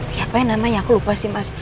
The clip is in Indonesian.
siapa yang namanya aku lupa sih mas